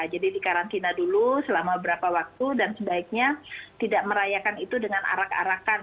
jadi di karantina dulu selama beberapa waktu dan sebaiknya tidak merayakan itu dengan arak arakan